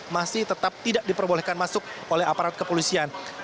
masih tetap tidak diperbolehkan masuk oleh aparat kepolisian